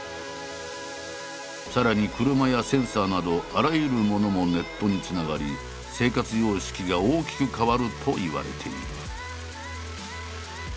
さらに車やセンサーなどあらゆるものもネットにつながり生活様式が大きく変わるといわれている。